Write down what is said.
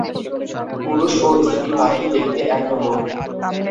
পুরুষ ও স্ত্রী পাখি দেখতে একরকম।